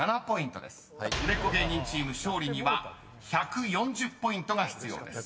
［売れっ子芸人チーム勝利には１４０ポイントが必要です］